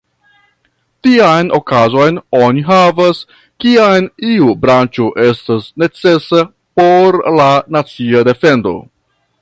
Tian okazon oni havas, kiam iu branĉo estas necesa por la nacia defendo.